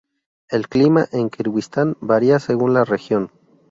El clima en Kirguistán varía según la región.